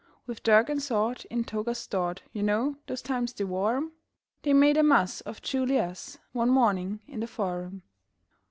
With dirk and sword in togas stored You know those times they wore 'em They made a muss of Ju li us One morning in the Forum.